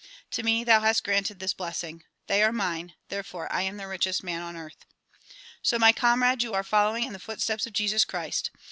To me thou hast granted this blessing. They are mine. Therefore am I the richest man on earth." So my comrades you are following in the footsteps of Jesus Christ.